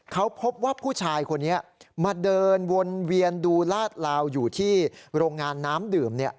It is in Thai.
เขาพบว่าผู้ชายคนนี้มาเดินวนเวียนดูลาดลาวอยู่ที่โรงงานน้ำดื่ม